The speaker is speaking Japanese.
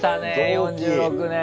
４６年。